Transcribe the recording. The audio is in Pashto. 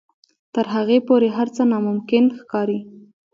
تر هغې پورې هر څه ناممکن ښکاري.